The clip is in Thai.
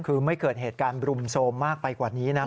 คือไม่เกิดเหตุการณ์รุมโทรมมากไปกว่านี้นะ